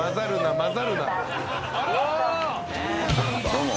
どうも。